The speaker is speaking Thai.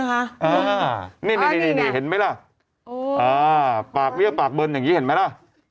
อ่านี่นี่นี่นี่เห็นไหมล่ะอ่าปากเบิ้ลปากเบิ้ลอย่างงี้เห็นไหมล่ะ